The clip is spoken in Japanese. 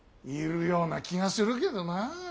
いるような気がするけどなあ。